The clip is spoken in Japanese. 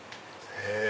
へぇ。